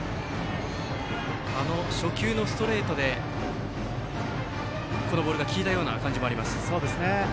初球のストレートでこのボールが効いたような感じもあります。